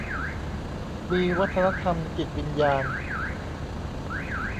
มีวัฒนธรรมจิตวิญญาณ